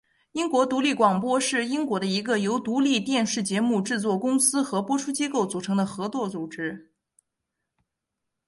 英国独立广播是英国的一个由独立电视节目制作公司和播出机构组成的合作组织。